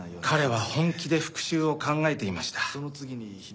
彼は本気で復讐を考えていました。